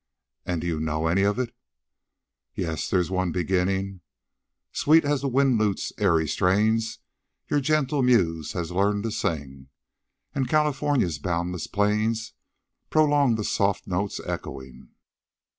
"And do you know any of it?" "Yes, there's one beginning: "'Sweet as the wind lute's airy strains Your gentle muse has learned to sing, And California's boundless plains Prolong the soft notes echoing.'"